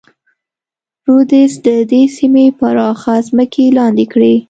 رودز د دې سیمې پراخه ځمکې لاندې کړې.